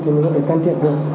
thì mình có thể can thiệp được